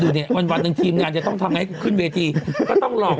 เนี่ยวันหนึ่งทีมงานจะต้องทำให้กูขึ้นเวทีก็ต้องหลอก